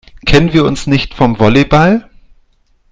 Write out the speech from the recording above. Kennen wir uns nicht vom Volleyball?